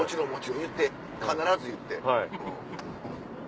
言って必ず言って。